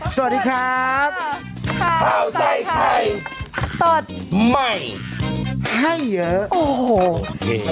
สวัสดีครับข้าวใส่ไข่สดใหม่ให้เยอะโอ้โห